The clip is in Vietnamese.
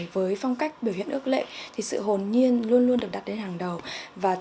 bác ơi anh thi của nhà